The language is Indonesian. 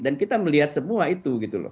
dan kita melihat semua itu gitu loh